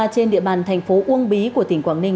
trên địa bàn thành phố uông bí của tỉnh quảng ninh